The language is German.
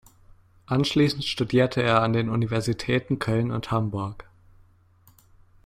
Anschließend studierte er an den Universitäten Köln und Hamburg.